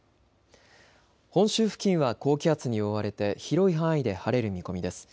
本州付近は高気圧に覆われて広い範囲で晴れる見込みです。